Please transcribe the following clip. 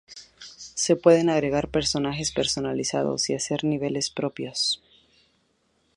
Se pueden agregar personajes personalizados y hacer niveles propios.